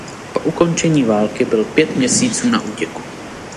Po ukončení války byl pět měsíců na útěku.